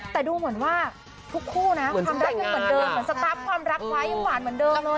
แต่ดูเหมือนว่าทุกคู่นะความรักยังเหมือนเดิมเหมือนสตาร์ฟความรักไว้ยังหวานเหมือนเดิมเลย